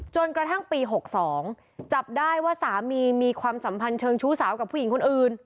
จนกระทั่งปี๖๒จับได้ว่าสามีมีความสัมพันธ์เชิงชู้สาวกับผู้หญิงคนอื่น